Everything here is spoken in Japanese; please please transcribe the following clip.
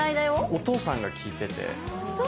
お父さんが聞いてて。